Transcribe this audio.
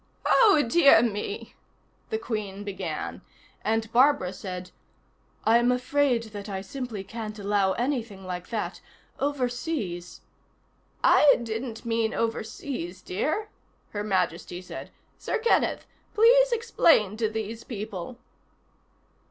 "Oh, dear me...." the Queen began, and Barbara said: "I'm afraid that I simply can't allow anything like that. Overseas " "I didn't mean overseas, dear," Her Majesty said. "Sir Kenneth, please explain to these people."